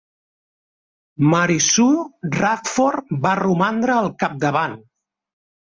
Mary Sue Radford va romandre al capdavant.